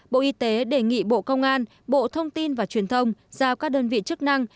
bộ y tế đề nghị bộ công an bộ thông tin và truyền thông giao các đơn vị chức năng